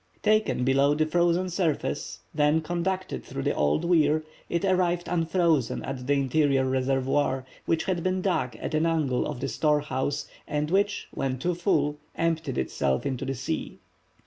Taken below the frozen surface, then conducted through the old weir, it arrived unfrozen at the interior reservoir, which had been dug at the angle of the storehouse, and which, when too full, emptied itself into the sea.